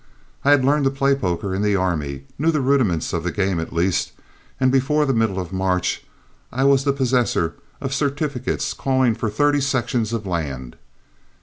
I had learned to play poker in the army, knew the rudiments of the game at least, and before the middle of March I was the possessor of certificates calling for thirty sections of land.